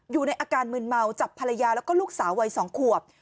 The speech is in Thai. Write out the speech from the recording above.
อยู่ในอาการมืนเมาจับภรรยาแล้วก็ลูกสาววัย๒ขวบ